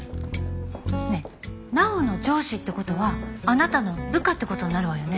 ねえ直央の上司って事はあなたの部下って事になるわよね？